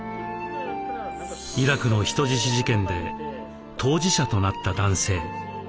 イラクの人質事件で当事者となった男性。